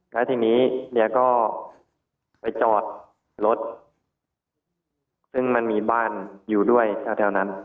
แล้วทีนี้เมียก็ไปจอดรถซึ่งมันมีบ้านอยู่ด้วยแถวนั้น